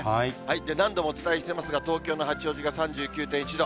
何度もお伝えしていますが、東京の八王子が３９．１度。